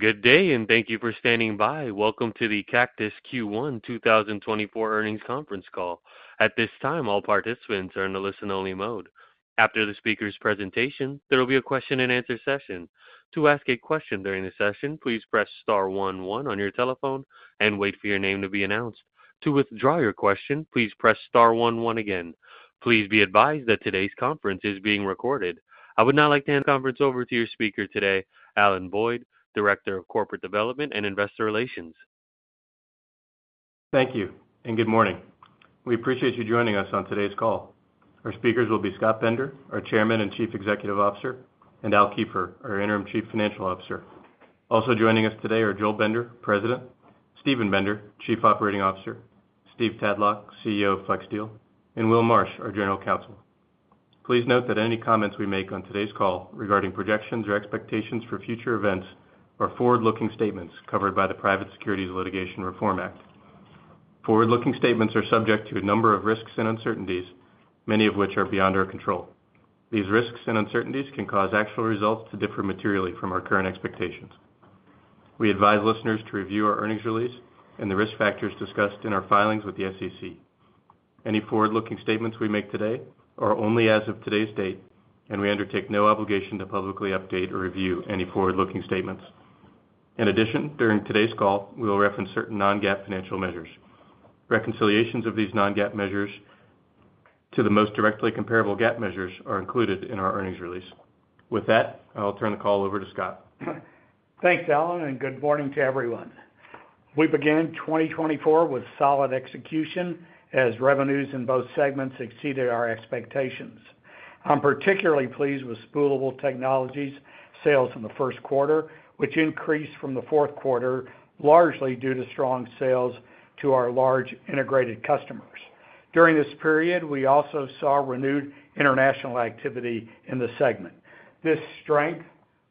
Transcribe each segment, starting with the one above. Good day and thank you for standing by. Welcome to the Cactus Q1 2024 Earnings Conference Call. At this time, all participants are in a listen-only mode. After the speaker's presentation, there will be a question-and-answer session. To ask a question during the session, please press star one one on your telephone and wait for your name to be announced. To withdraw your question, please press star one one again. Please be advised that today's conference is being recorded. I would now like to hand the conference over to your speaker today, Alan Boyd, Director of Corporate Development and Investor Relations. Thank you and good morning. We appreciate you joining us on today's call. Our speakers will be Scott Bender, our Chairman and Chief Executive Officer, and Alan Keifer, our Interim Chief Financial Officer. Also joining us today are Joel Bender, President, Steven Bender, Chief Operating Officer, Steve Tadlock, CEO of FlexSteel, and Will Marsh, our General Counsel. Please note that any comments we make on today's call regarding projections or expectations for future events are forward-looking statements covered by the Private Securities Litigation Reform Act. Forward-looking statements are subject to a number of risks and uncertainties, many of which are beyond our control. These risks and uncertainties can cause actual results to differ materially from our current expectations. We advise listeners to review our earnings release and the risk factors discussed in our filings with the SEC. Any forward-looking statements we make today are only as of today's date, and we undertake no obligation to publicly update or review any forward-looking statements. In addition, during today's call, we will reference certain non-GAAP financial measures. Reconciliations of these non-GAAP measures to the most directly comparable GAAP measures are included in our earnings release. With that, I'll turn the call over to Scott. Thanks, Alan, and good morning to everyone. We began 2024 with solid execution as revenues in both segments exceeded our expectations. I'm particularly pleased with Spoolable Technologies' sales in the first quarter, which increased from the fourth quarter, largely due to strong sales to our large integrated customers. During this period, we also saw renewed international activity in the segment. This strength,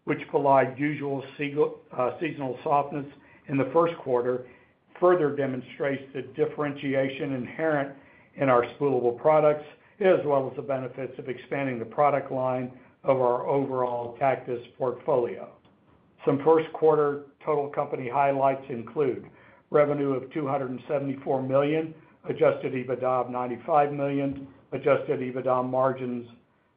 which belied usual seasonal softness in the first quarter, further demonstrates the differentiation inherent in our spoolable products, as well as the benefits of expanding the product line of our overall Cactus portfolio. Some first-quarter total company highlights include revenue of $274 million, Adjusted EBITDA of $95 million, Adjusted EBITDA margins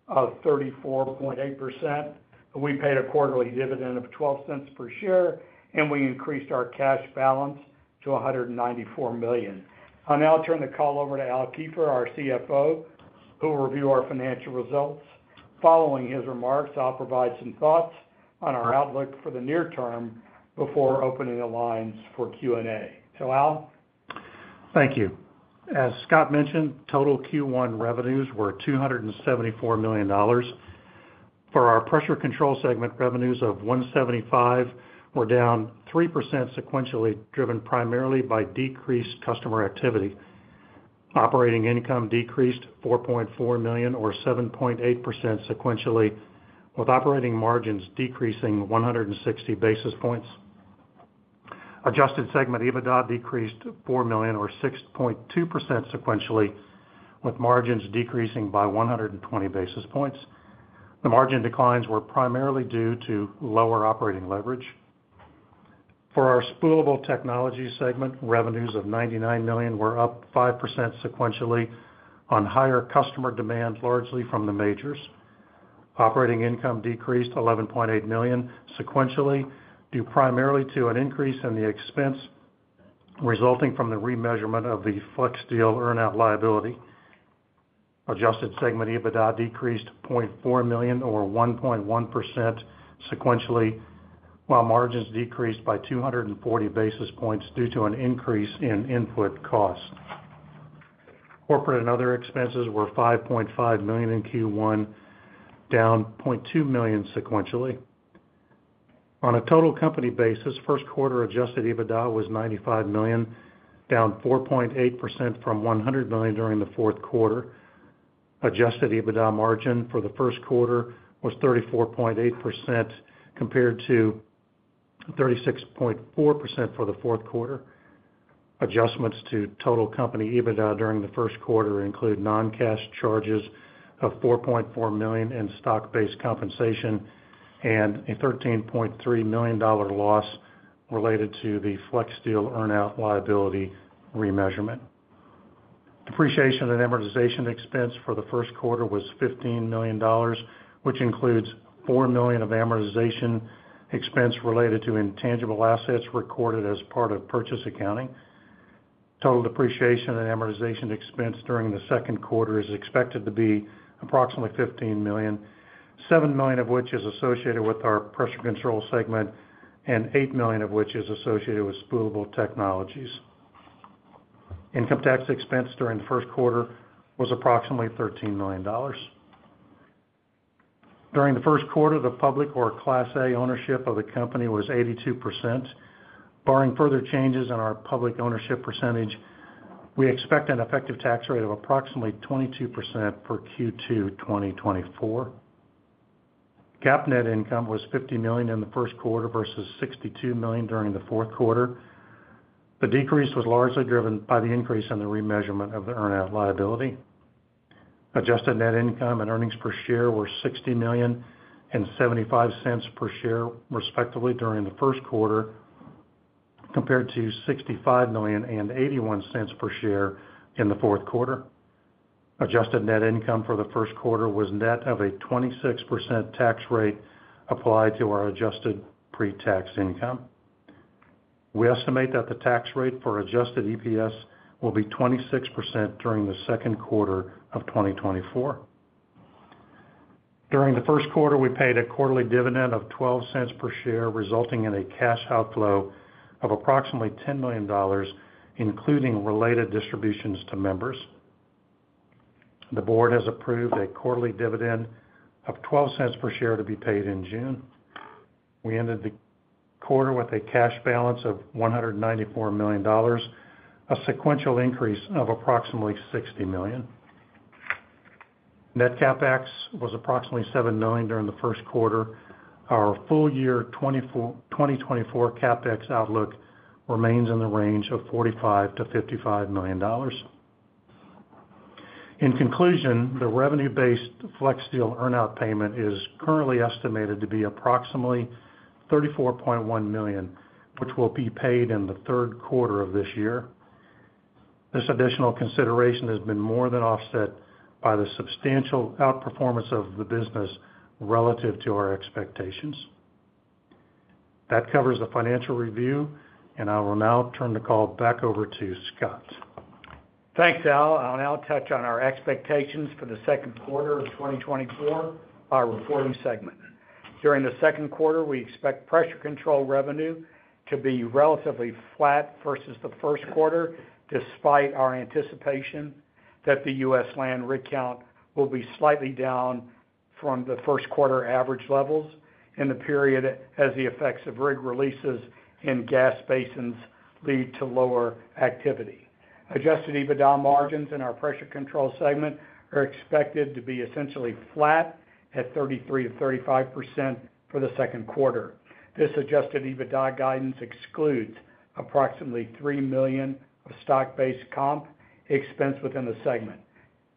of 34.8%, and we paid a quarterly dividend of $0.12 per share, and we increased our cash balance to $194 million. I'll now turn the call over to Alan Keifer, our CFO, who will review our financial results. Following his remarks, I'll provide some thoughts on our outlook for the near term before opening the lines for Q&A. So, Al. Thank you. As Scott mentioned, total Q1 revenues were $274 million. For our pressure control segment, revenues of $175 million were down 3% sequentially, driven primarily by decreased customer activity. Operating income decreased $4.4 million, or 7.8% sequentially, with operating margins decreasing 160 basis points. Adjusted segment EBITDA decreased $4 million, or 6.2% sequentially, with margins decreasing by 120 basis points. The margin declines were primarily due to lower operating leverage. For our Spoolable Technologies segment, revenues of $99 million were up 5% sequentially on higher customer demand, largely from the majors. Operating income decreased $11.8 million, sequentially, due primarily to an increase in the expense resulting from the remeasurement of the FlexSteel earnout liability. Adjusted segment EBITDA decreased $0.4 million, or 1.1% sequentially, while margins decreased by 240 basis points due to an increase in input costs. Corporate and other expenses were $5.5 million in Q1, down $0.2 million sequentially. On a total company basis, first-quarter adjusted EBITDA was $95 million, down 4.8% from $100 million during the fourth quarter. Adjusted EBITDA margin for the first quarter was 34.8% compared to 36.4% for the fourth quarter. Adjustments to total company EBITDA during the first quarter include non-cash charges of $4.4 million in stock-based compensation and a $13.3 million loss related to the FlexSteel earnout liability remeasurement. Depreciation and amortization expense for the first quarter was $15 million, which includes $4 million of amortization expense related to intangible assets recorded as part of purchase accounting. Total depreciation and amortization expense during the second quarter is expected to be approximately $15 million, $7 million of which is associated with our pressure control segment, and $8 million of which is associated with Spoolable Technologies. Income tax expense during the first quarter was approximately $13 million. During the first quarter, the public, or Class A, ownership of the company was 82%. Barring further changes in our public ownership percentage, we expect an effective tax rate of approximately 22% for Q2 2024. GAAP net income was $50 million in the first quarter versus $62 million during the fourth quarter. The decrease was largely driven by the increase in the remeasurement of the earnout liability. Adjusted net income and earnings per share were $60 million and $0.75 per share, respectively, during the first quarter compared to $65 million and $0.81 per share in the fourth quarter. Adjusted net income for the first quarter was net of a 26% tax rate applied to our adjusted pre-tax income. We estimate that the tax rate for adjusted EPS will be 26% during the second quarter of 2024. During the first quarter, we paid a quarterly dividend of $0.12 per share, resulting in a cash outflow of approximately $10 million, including related distributions to members. The Board has approved a quarterly dividend of $0.12 per share to be paid in June. We ended the quarter with a cash balance of $194 million, a sequential increase of approximately $60 million. Net CapEx was approximately $7 million during the first quarter. Our full-year 2024 CapEx outlook remains in the range of $45 million-$55 million. In conclusion, the revenue-based FlexSteel earnout payment is currently estimated to be approximately $34.1 million, which will be paid in the third quarter of this year. This additional consideration has been more than offset by the substantial outperformance of the business relative to our expectations. That covers the financial review, and I will now turn the call back over to Scott. Thanks, Alan. I'll now touch on our expectations for the second quarter of 2024 by reporting segment. During the second quarter, we expect pressure control revenue to be relatively flat versus the first quarter, despite our anticipation that the U.S. rig count will be slightly down from the first quarter average levels in the period as the effects of rig releases in gas basins lead to lower activity. Adjusted EBITDA margins in our pressure control segment are expected to be essentially flat at 33%-35% for the second quarter. This adjusted EBITDA guidance excludes approximately $3 million of stock-based comp expense within the segment.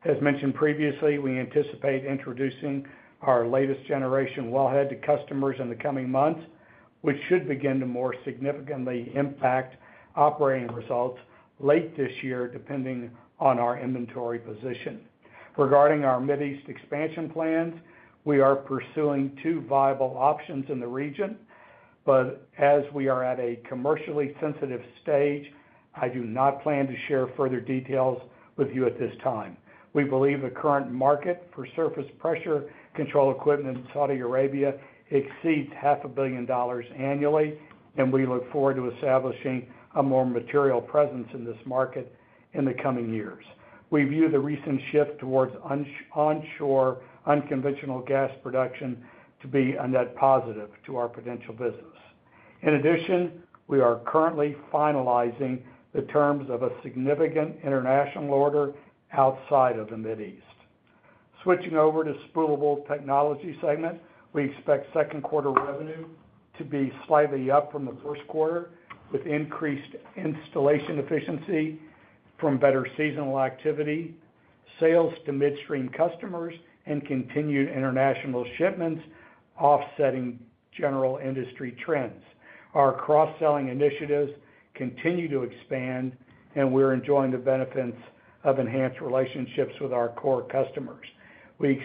As mentioned previously, we anticipate introducing our latest-generation wellhead to customers in the coming months, which should begin to more significantly impact operating results late this year, depending on our inventory position. Regarding our Mideast expansion plans, we are pursuing two viable options in the region, but as we are at a commercially sensitive stage, I do not plan to share further details with you at this time. We believe the current market for surface pressure control equipment in Saudi Arabia exceeds $500 million annually, and we look forward to establishing a more material presence in this market in the coming years. We view the recent shift towards onshore, unconventional gas production to be a net positive to our potential business. In addition, we are currently finalizing the terms of a significant international order outside of the Mideast. Switching over to Spoolable Technologies segment, we expect second-quarter revenue to be slightly up from the first quarter, with increased installation efficiency from better seasonal activity, sales to midstream customers, and continued international shipments offsetting general industry trends. Our cross-selling initiatives continue to expand, and we're enjoying the benefits of enhanced relationships with our core customers. We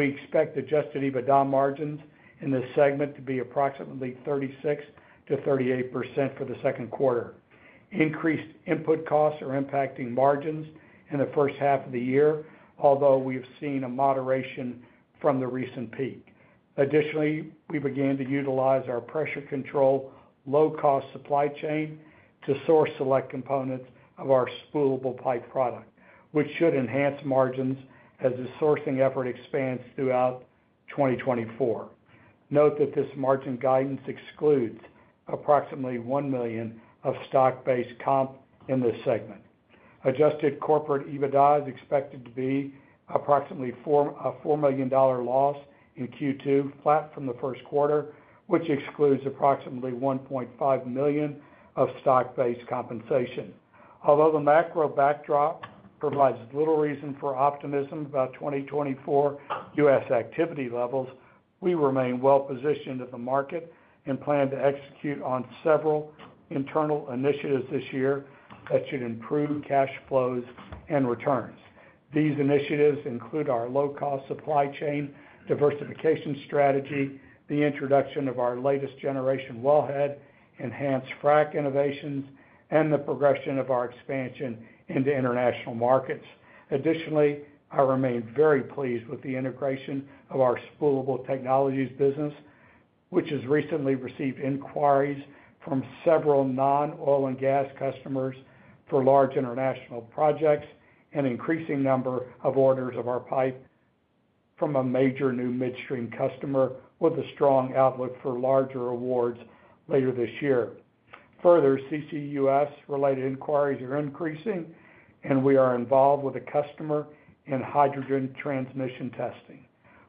expect Adjusted EBITDA margins in this segment to be approximately 36%-38% for the second quarter. Increased input costs are impacting margins in the first half of the year, although we have seen a moderation from the recent peak. Additionally, we began to utilize our pressure control low-cost supply chain to source select components of our spoolable pipe product, which should enhance margins as the sourcing effort expands throughout 2024. Note that this margin guidance excludes approximately $1 million of stock-based comp in this segment. Adjusted corporate EBITDA is expected to be approximately a $4 million loss in Q2, flat from the first quarter, which excludes approximately $1.5 million of stock-based compensation. Although the macro backdrop provides little reason for optimism about 2024 U.S. activity levels, we remain well-positioned in the market and plan to execute on several internal initiatives this year that should improve cash flows and returns. These initiatives include our low-cost supply chain diversification strategy, the introduction of our latest-generation wellhead, enhanced frac innovations, and the progression of our expansion into international markets. Additionally, I remain very pleased with the integration of our Spoolable Technologies business, which has recently received inquiries from several non-oil and gas customers for large international projects, an increasing number of orders of our pipe from a major new midstream customer, with a strong outlook for larger awards later this year. Further, CCUS-related inquiries are increasing, and we are involved with a customer in hydrogen transmission testing.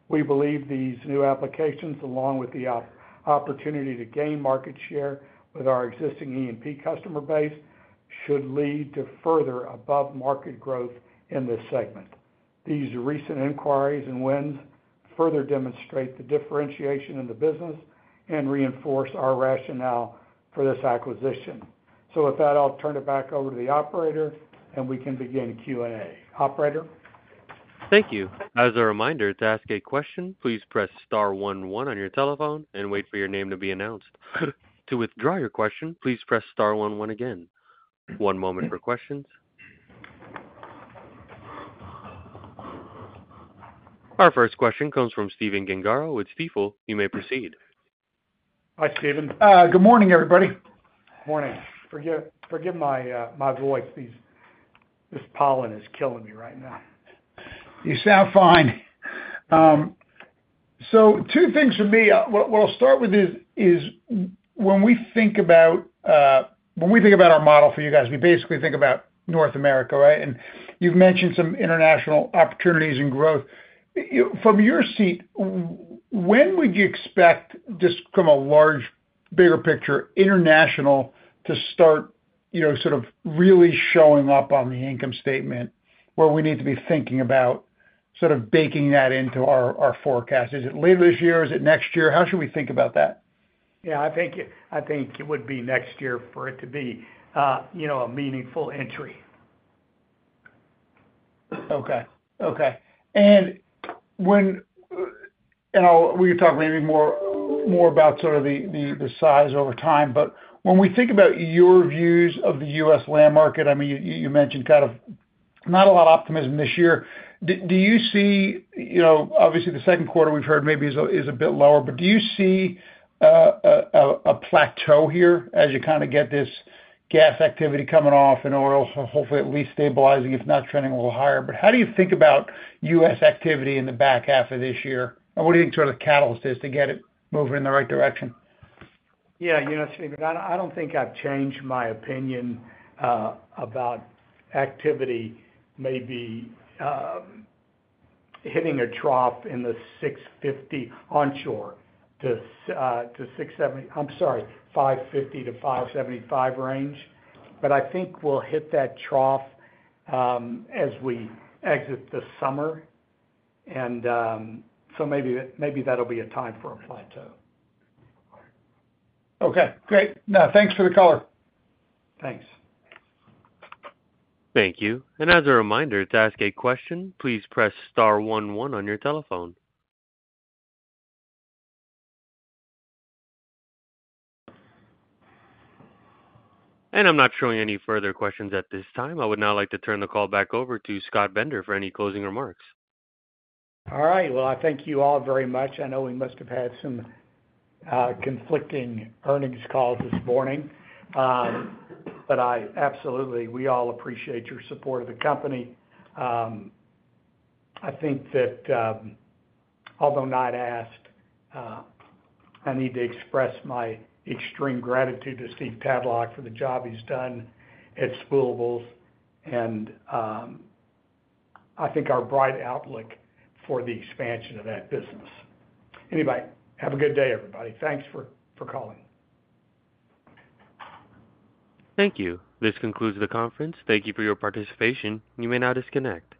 We believe these new applications, along with the opportunity to gain market share with our existing E&P customer base, should lead to further above-market growth in this segment. These recent inquiries and wins further demonstrate the differentiation in the business and reinforce our rationale for this acquisition. So, with that, I'll turn it back over to the operator, and we can begin Q&A. Operator? Thank you. As a reminder, to ask a question, please press star one one on your telephone and wait for your name to be announced. To withdraw your question, please press star one one again. One moment for questions. Our first question comes from Stephen Gengaro. It's Stifel. You may proceed. Hi, Stephen. Good morning, everybody. Morning. Forgive my voice. This pollen is killing me right now. You sound fine. So, two things for me. What I'll start with is when we think about our model for you guys, we basically think about North America, right? And you've mentioned some international opportunities and growth. From your seat, when would you expect, just from a large, bigger picture, international to start sort of really showing up on the income statement, where we need to be thinking about sort of baking that into our forecast? Is it later this year? Is it next year? How should we think about that? Yeah. I think it would be next year for it to be a meaningful entry. Okay. Okay. And we could talk maybe more about sort of the size over time. But when we think about your views of the U.S. land market, I mean, you mentioned kind of not a lot of optimism this year. Do you see obviously, the second quarter, we've heard maybe is a bit lower, but do you see a plateau here as you kind of get this gas activity coming off and oil, hopefully, at least stabilizing, if not trending a little higher? But how do you think about U.S. activity in the back half of this year? And what do you think sort of the catalyst is to get it moving in the right direction? Yeah, you know what I'm saying, but I don't think I've changed my opinion about activity maybe hitting a trough in the 650 onshore to 670. I'm sorry, 550-575 range. But I think we'll hit that trough as we exit the summer. And so maybe that'll be a time for a plateau. Okay. Great. Now, thanks for the caller. Thanks. Thank you. And as a reminder, to ask a question, please press star one one on your telephone. And I'm not showing any further questions at this time. I would now like to turn the call back over to Scott Bender for any closing remarks. All right. Well, I thank you all very much. I know we must have had some conflicting earnings calls this morning, but absolutely, we all appreciate your support of the company. I think that although not asked, I need to express my extreme gratitude to Steve Tadlock for the job he's done at Spoolables and I think our bright outlook for the expansion of that business. Anyway, have a good day, everybody. Thanks for calling. Thank you. This concludes the conference. Thank you for your participation. You may now disconnect.